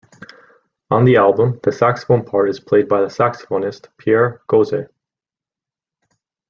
On the album the saxophone part is played by saxophonist Pierre Gossez.